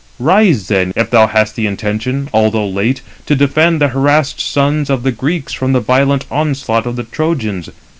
Rise then, if thou hast the intention, although late, to defend the harassed sons of the Greeks from the violent onslaught of the Trojans.